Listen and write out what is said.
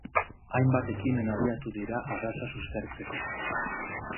Hainbat ekimen abiatu dira arraza suspertzeko.